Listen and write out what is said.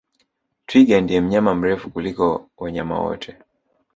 Twiga ndiye mnyama mrefu kuliko wanyama wote